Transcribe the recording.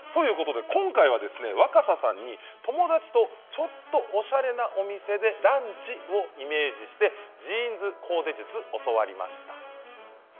今回は、若狭さんに友達とちょっとおしゃれなお店でランチ、をイメージしてジーンズコーデ術を教わりました。